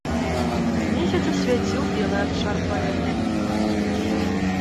Месяц асвяціў белы абшар палёў.